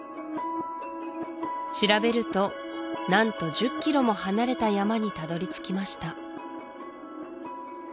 調べると何と１０ｋｍも離れた山にたどり着きました